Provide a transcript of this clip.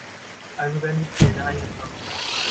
Also werden die Pläne eingestampft.